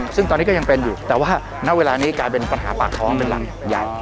ซึ่งตอนนี้ก็ยังเป็นอยู่แต่ว่าณเวลานี้กลายเป็นปัญหาปากท้องเป็นรังใหญ่